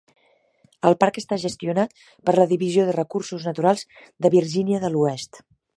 El parc està gestionat per la divisió de recursos naturals de Virgínia de l'oest.